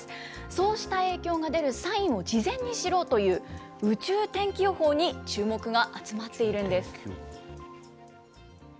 そうした影響が出るサインを事前に知ろうという、宇宙天気予報に注目が集まっているんです。